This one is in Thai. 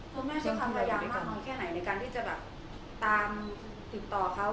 คุณแม่ของเขาพยายามมากมากแค่ไหนในการที่จะตามติดต่อเขา